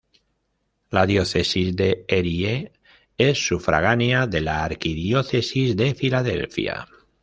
La Diócesis de Erie es sufragánea de la Arquidiócesis de Filadelfia.